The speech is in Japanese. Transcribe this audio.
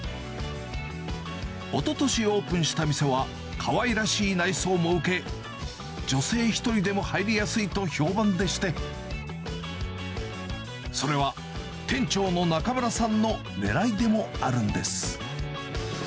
おととしオープンした店は、かわいらしい内装も受け、女性１人でも入りやすいと評判でして、それは、店長の中村さんのねらいでもあるんです。